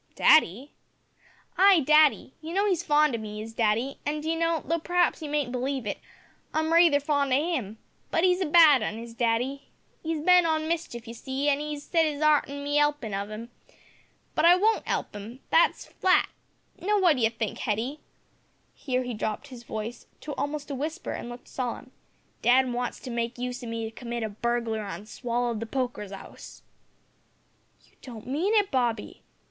"Daddy?" "Ay, daddy. You know he's fond o' me, is daddy, and, d'ye know, though p'r'aps you mayn't believe it, I'm raither fond o' him; but 'e's a bad 'un, is daddy. He's bent on mischief, you see, an' 'e's set his 'art on my 'elpin' of 'im. But I wont 'elp 'im that's flat. Now, what d'ye think, Hetty," (here he dropped his voice to almost a whisper and looked solemn), "dad wants to make use o' me to commit a burglary on Swallow'd the poker's 'ouse." "You don't mean it, Bobby!"